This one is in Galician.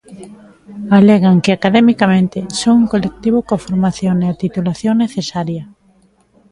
Alegan que academicamente son un colectivo coa formación e a titulación necesaria.